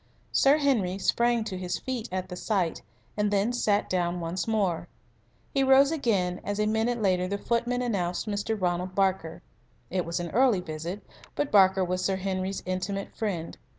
Sir Henry sprang to his feet at the sight, and then sat down once more. He rose again as a minute later the footman announced Mr. Ronald Barker. It was an early visit, but Barker was Sir Henry's intimate friend.